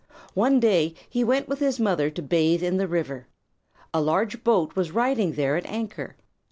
One day he went with his mother to bathe in the river. A large boat was riding there at anchor.